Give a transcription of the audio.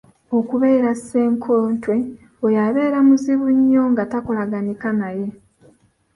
Okubeera Ssenkotwe: oyo abeera muzibu nnyo nga takolaganika naye.